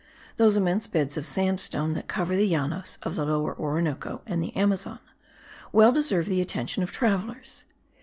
Those immense beds of sandstone that cover the Llanos of the Lower Orinoco and the Amazon well deserve the attention of travellers.